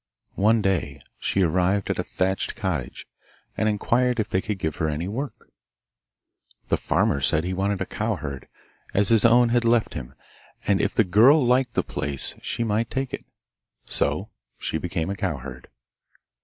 One day she arrived at a thatched cottage, and inquired if they could give her any work. The farmer said he wanted a cowherd, as his own had left him, and if the girl liked the place she might take it. So she became a cowherd.